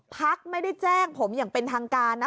พักไม่ได้แจ้งผมอย่างเป็นทางการนะ